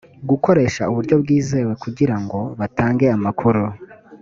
gukoresha uburyo bwizewe kugira ngo batange amakuru